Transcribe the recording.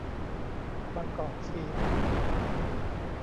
บางกอกฟิล์ม